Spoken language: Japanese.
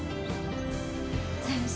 先生。